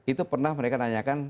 itu pernah mereka nanyakan